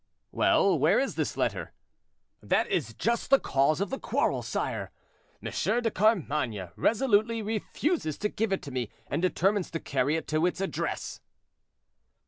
"Well, where is this letter?" "That is just the cause of the quarrel, sire. M. de Carmainges resolutely refuses to give it to me, and determines to carry it to its address."